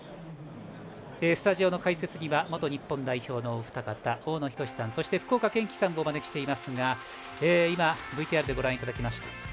スタジオの解説には元日本代表のお二方大野均さん、福岡堅樹さんをお招きしていますが今、ＶＴＲでご覧いただきました。